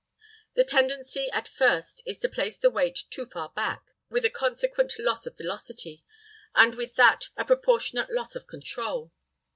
The tendency at first is to place the weight too far back, with a consequent loss of velocity, and with that a proportionate loss of control.